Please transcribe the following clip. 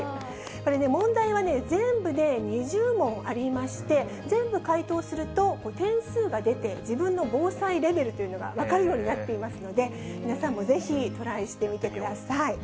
これね、問題はね、全部で２０問ありまして、全部解答すると、点数が出て自分の防災レベルというのが分かるようになっていますので、皆さんもぜひトライしてみてください。